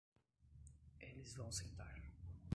Eles vão sentar